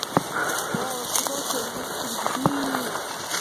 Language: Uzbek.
Voy xudo, sho`rimiz quridi-ku